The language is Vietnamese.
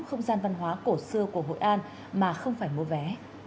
không gian văn hóa cổ xưa của hội an mà không phải mua vé